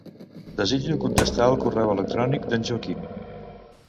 Desitjo contestar al correu electrònic d'en Joaquim.